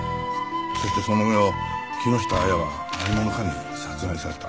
そしてその夜木下亜矢は何者かに殺害された。